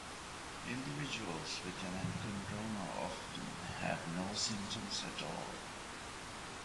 Individuals with an enchondroma often have no symptoms at all.